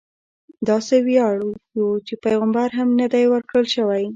داسې ویاړ یو پیغمبر ته هم نه دی ورکړل شوی.